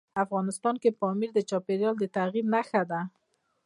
افغانستان کې پامیر د چاپېریال د تغیر نښه ده.